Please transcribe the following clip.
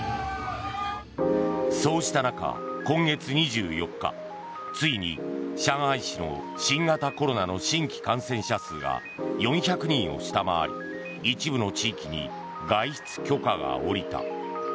そうした中、今月２４日ついに上海市の新型コロナの新規感染者数が４００人を下回り一部の地域に外出許可が下りた。